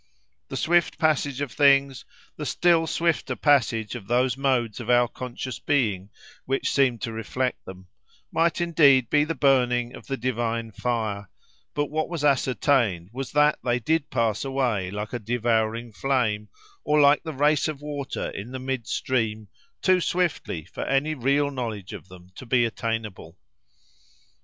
The swift passage of things, the still swifter passage of those modes of our conscious being which seemed to reflect them, might indeed be the burning of the divine fire: but what was ascertained was that they did pass away like a devouring flame, or like the race of water in the mid stream—too swiftly for any real knowledge of them to be attainable.